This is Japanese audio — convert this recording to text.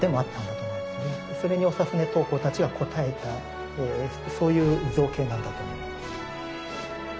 それに長船刀工たちは応えたそういう造形なんだと思います。